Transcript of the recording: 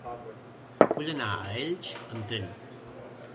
Vull anar a Elx amb tren.